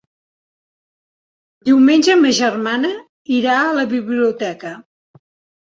Diumenge ma germana irà a la biblioteca.